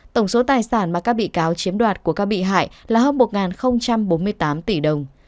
tổng số tài sản mà các bị cáo chiếm đoạt của các bị hại là hơn một bốn mươi tám tỷ đồng